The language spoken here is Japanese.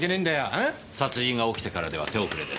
殺人が起きてからでは手遅れです。